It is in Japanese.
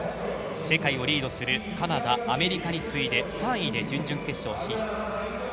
世界をリードするカナダ、アメリカについで３位で準々決勝進出。